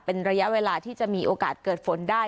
เป็นระยะเวลาที่จะมีโอกาสเกิดฝนได้